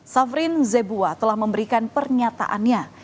safrin zebua telah memberikan pernyataannya